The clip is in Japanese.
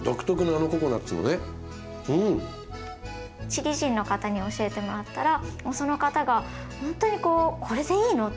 チリ人の方に教えてもらったらその方がほんとにこう「これでいいの？